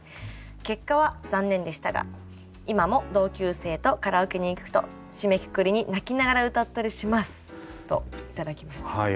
結果は残念でしたが今も同級生とカラオケに行くと締めくくりに泣きながら歌ったりします」と頂きました。